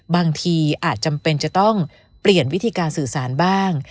บางทีอาจจำเป็นจะต้องเปลี่ยนวิธีการสื่อสารบ้าง